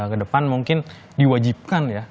ke depan mungkin diwajibkan ya